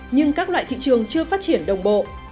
nhưng các loại thị trường chưa phát triển đồng bộ